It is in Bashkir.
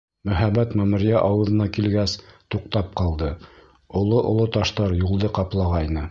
Мөһабәт мәмерйә ауыҙына килгәс туҡтап ҡалды: оло-оло таштар юлды ҡаплағайны.